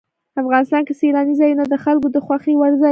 افغانستان کې سیلانی ځایونه د خلکو د خوښې وړ ځای دی.